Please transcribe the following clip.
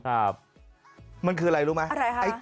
ใช่มันคืออะไรรู้มั้ยอะไรค่ะ